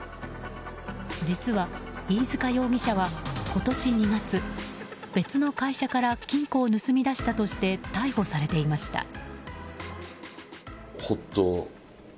実は飯塚容疑者は今年２月別の会社から金庫を盗み出したとして逮捕されていました。